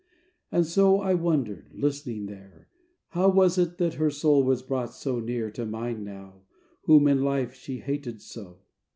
And so I wondered, listening there: How was it that her soul was brought So near to mine now, whom in life She hated so?